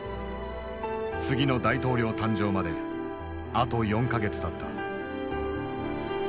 次の大統領誕生まであと４か月だった。